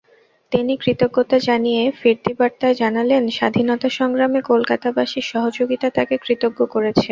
তিনি কৃতজ্ঞতা জানিয়ে ফিরতি বার্তায় জানালেন, স্বাধীনতাসংগ্রামে কলকাতাবাসীর সহযোগিতা তাঁকে কৃতজ্ঞ করেছে।